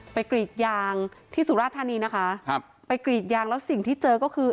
กรีดยางที่สุราธานีนะคะครับไปกรีดยางแล้วสิ่งที่เจอก็คือ